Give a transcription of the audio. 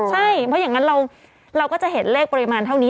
ใช่เพราะอย่างนั้นเราก็จะเห็นเลขปริมาณเท่านี้